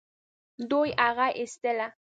دوی هغه ايستله.